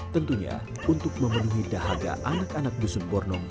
tentunya untuk memenuhi dahaga anak anak dusun bornomo